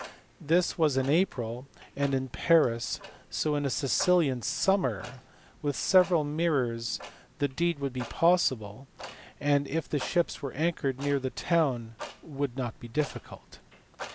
This was in April and in Paris, so in a Sicilian summer and with several mirrors the deed would be possible, and if the ships were anchored near the town would not be difficult.